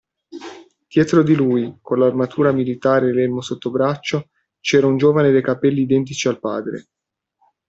Dietro di lui, con l'armatura militare e l'elmo sottobraccio, c'era un giovane dai capelli identici al padre.